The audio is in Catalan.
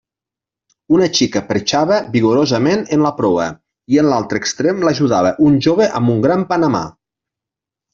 Una xica perxava vigorosament en la proa, i en l'altre extrem l'ajudava un jove amb un gran panamà.